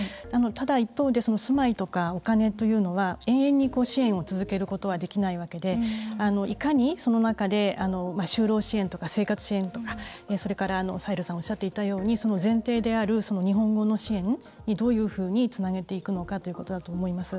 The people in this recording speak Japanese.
一方で住まいとかお金というのは永遠に支援を続けることはできないわけでいかに、その中で就労支援とか生活支援とかそれから、その前提である日本語の支援というのに、どういうふうにつなげていくのかということだと思います。